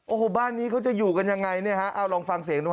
โอ้โหบ้านนี้เขาจะอยู่กันอย่างไรเอาลองฟังเสียงดู